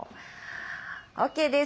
ＯＫです。